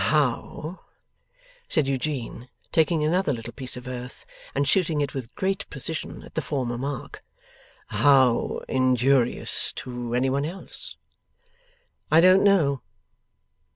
'How,' said Eugene, taking another little piece of earth, and shooting it with great precision at the former mark, 'how injurious to any one else?' 'I don't know.